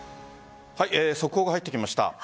速報が入ってきました。